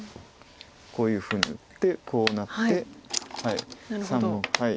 こういうふうに打ってこうなって３目。